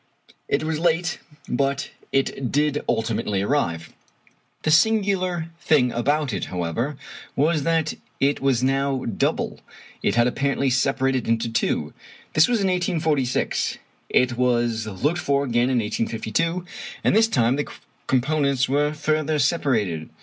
It was late, but it did ultimately arrive. The singular thing about it, however, was that it was now double. It had apparently separated into two. This was in 1846. It was looked for again in 1852, and this time the components were further separated.